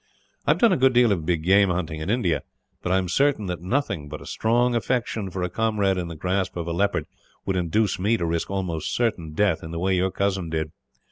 I have done a good deal of big game shooting, in India; but I am certain that nothing but a strong affection, for a comrade in the grasp of a leopard, would induce me to risk almost certain death in the way your cousin did.